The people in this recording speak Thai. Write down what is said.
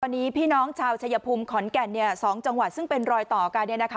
วันนี้พี่น้องชาวชายภูมิขอนแก่นเนี่ย๒จังหวัดซึ่งเป็นรอยต่อกันเนี่ยนะคะ